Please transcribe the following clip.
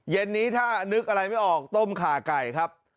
เย็นนี้ถ้านึกอะไรไม่ออกต้มขาไก่ครับ